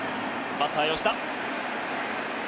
バッター吉田。